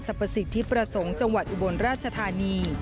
ประสิทธิประสงค์จังหวัดอุบลราชธานี